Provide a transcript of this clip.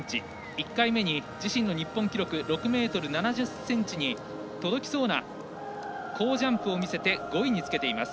１回目に自身の日本記録６ｍ７０ｃｍに届きそうな好ジャンプを見せて５位につけています。